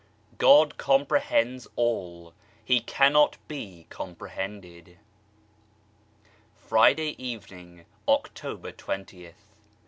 GOD COMPREHENDS ALL I HE CANNOT BE COMPREHENDED Friday evening, October 20th.